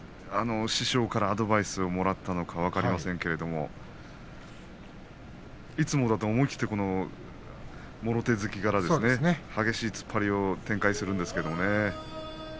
師匠からアドバイスをもらったのか分かりませんけれどいつもだと、思い切ってもろ手突きから激しい突っ張りを展開するんですけどね。